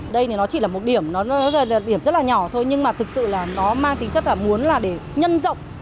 đây nó chỉ là một điểm nó là điểm rất là nhỏ thôi nhưng mà thực sự là nó mang tính chất là muốn là để nhân rộng